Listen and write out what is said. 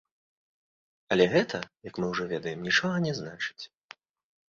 Але гэта, як мы ўжо ведаем, нічога не значыць.